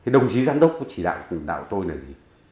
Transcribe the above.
đồng chí giám đốc chỉ đạo cùng đạo tôi này